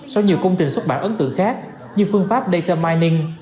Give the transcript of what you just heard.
sau nhiều công trình xuất bản ấn tượng khác như phương pháp data mining